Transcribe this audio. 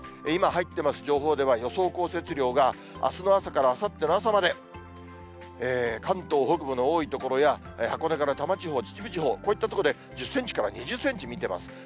今入ってます情報では、予想降雪量が、あすの朝からあさっての朝まで、関東北部の多い所や、箱根から多摩地方、秩父地方、こういった所で１０センチから２０センチ見ています。